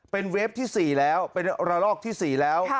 เป็นเวฟที่๔แล้วเป็นระลอกที่๔แล้ว